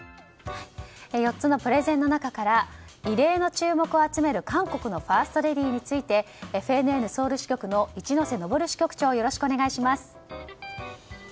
４つのプレゼンの中から異例の注目を集める韓国のファーストレディーについてＦＮＮソウル支局の一之瀬登支局長